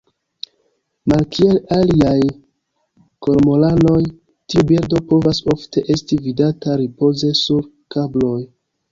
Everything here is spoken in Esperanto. Malkiel aliaj kormoranoj, tiu birdo povas ofte esti vidata ripoze sur kabloj.